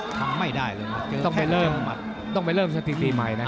ทำไม่ได้เลยนะต้องไปเริ่มหัดต้องไปเริ่มสถิติใหม่นะ